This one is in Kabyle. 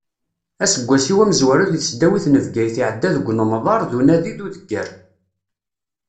Aseggas-iw amezwaru deg tesdawit n Bgayet iɛedda deg unemḍer d unadi d udegger.